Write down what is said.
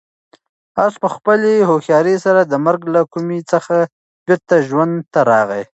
آس په خپلې هوښیارۍ سره د مرګ له کومې څخه بېرته ژوند ته راغی.